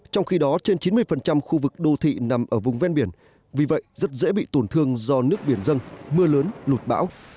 trong khi đó trên chín mươi khu vực đô thị nằm ở vùng ven biển vì vậy rất dễ bị tổn thương do nước biển dân mưa lớn lụt bão